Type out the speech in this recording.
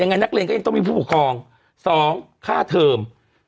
ยังไงนักเรียนก็ยังต้องมีผู้ปกครอง๒ค่าเทอม